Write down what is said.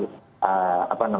saya ke mbak eci lagi